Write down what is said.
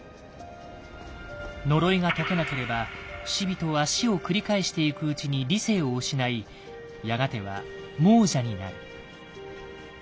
呪いが解けなければ不死人は死を繰り返していくうちに理性を失いやがては亡者になる。